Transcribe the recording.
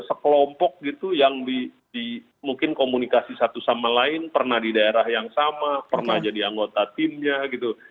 sekelompok gitu yang di mungkin komunikasi satu sama lain pernah di daerah yang sama pernah jadi anggota timnya gitu